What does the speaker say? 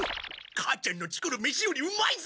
母ちゃんの作る飯よりうまいぞ。